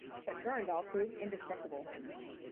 But Durendal proved indestructible.